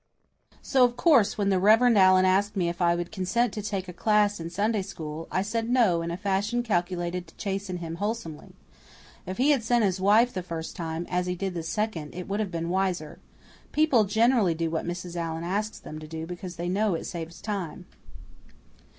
So, of course, when the Rev. Allan asked me if I would consent to take a class in Sunday School, I said no in a fashion calculated to chasten him wholesomely. If he had sent his wife the first time, as he did the second, it would have been wiser. People generally do what Mrs. Allan asks them to do because they know it saves time.